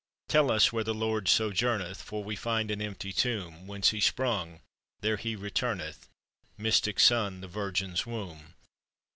Tell us where the Lord sojourneth, For we find an empty tomb. "Whence He sprung, there He returneth, Mystic Sun, the Virgin's Womb."